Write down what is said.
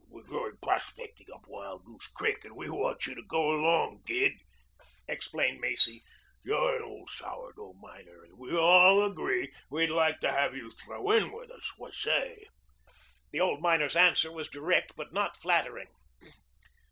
"We're going prospecting up Wild Goose Creek, and we want you to go along, Gid," explained Macy. "You're an old sour dough miner, and we all agree we'd like to have you throw in with us. What say?" The old miner's answer was direct but not flattering.